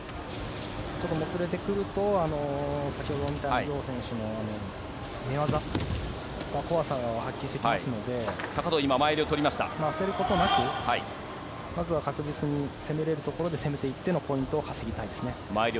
もつれてくると先ほどみたいにヨウ選手の寝技が怖さを発揮していきますので焦ることなく、まずは確実に攻めれるところで攻めていってのポイントを稼ぎたいですね。